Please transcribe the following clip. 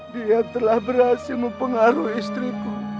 dia telah berhasil mempengaruhi istriku